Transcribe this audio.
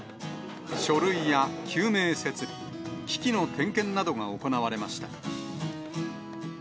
書類や救命設備、機器の点検などが行われました。